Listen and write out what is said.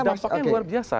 dapatnya luar biasa